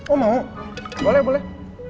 oh mau boleh boleh